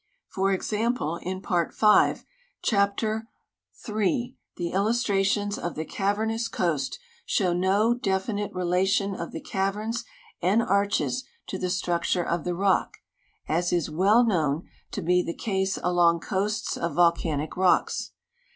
For example, in part 5, chapter III, the illustrations of the cavernous coast show no definite relation of the caverns and arches to the structure of the rock, as is well known to NATIONAL GEOGRAPHIC SOCIETY 155 be the case along coasts of volcanic rocks.